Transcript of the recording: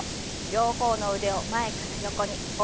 両方の腕を前から横に大きく胸を開きます。